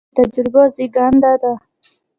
متل د ولس د تجربو زېږنده ده